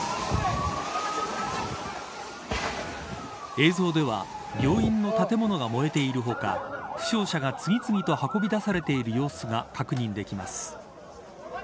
映像では病院の建物が燃えている他負傷者が次々と運び出されていく様子が確認できます。